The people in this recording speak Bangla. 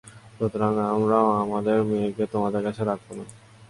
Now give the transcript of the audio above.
সুতরাং আমরাও আমাদের মেয়েকে তোমাদের কাছে রাখব না।